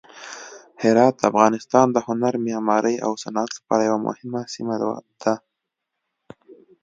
هرات د افغانستان د هنر، معمارۍ او صنعت لپاره یوه مهمه سیمه ده.